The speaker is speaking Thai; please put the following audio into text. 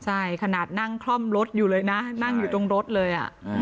ใช่ขนาดนั่งคล่อมรถอยู่เลยนะนั่งอยู่ตรงรถเลย